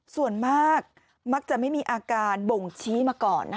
ส่วนมากมักจะไม่มีอาการบ่งชี้มาก่อน